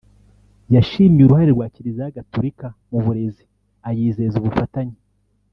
yashimye uruhare rwa Kiliziya Gatulika mu burezi ayizeza ubufatanye